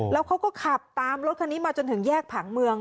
แล้วเขาก็ขับตามรถคันนี้มาจนถึงแยกผังเมือง